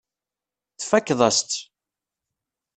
Tfakkeḍ-as-tt.